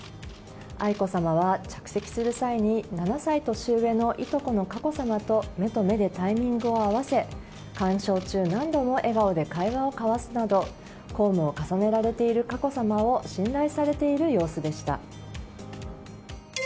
愛子さまは着席する際に７歳年上の、いとこの佳子さまと目と目でタイミングを合わせ鑑賞中、何度も笑顔で会話を交わすなど公務を重ねられている佳子さまを信頼されている様子でした。